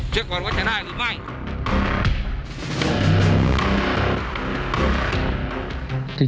เช็คก่อนว่าจะได้หรือไม่